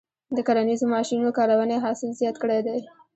د کرنیزو ماشینونو کارونې حاصل زیات کړی دی.